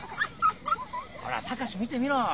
ほら孝見てみろ。